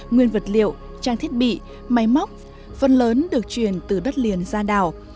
nguyên vật liệu trang thiết bị máy móc phần lớn được chuyển từ đất liền ra đảo